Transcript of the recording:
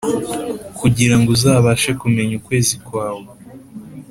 kugirango uzabashe kumenya ukwezi kwawe